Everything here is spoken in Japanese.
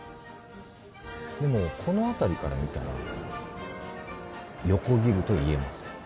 でもこの辺りから見たら「横切る」と言えます。